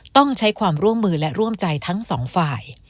ต้องใช้ความร่วมมือและร่วมใจทั้งสองฝ่าย